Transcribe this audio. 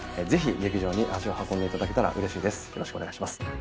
ぜひ劇場に足を運んでいただけたらうれしいです。